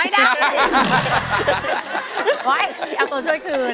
ไม่ได้